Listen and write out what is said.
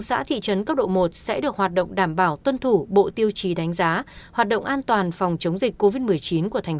giết ơn cheted may sidelightól với bài viết trên bànzeug tham phi wyvern kaho integrating